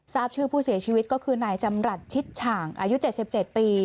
ทราบชื่อผู้เสียชีวิตก็คือนายจำรัฐชิดฉ่างอายุ๗๗ปี